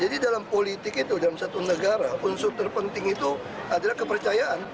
jadi dalam politik itu dalam satu negara unsur terpenting itu adalah kepercayaan